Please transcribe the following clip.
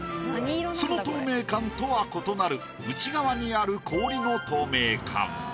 その透明感とは異なる内側にある氷の透明感。